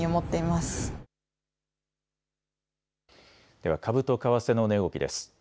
では株と為替の値動きです。